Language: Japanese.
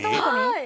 「はい。